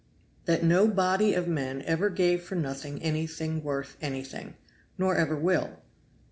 "That no body of men ever gave for nothing anything worth anything, nor ever will.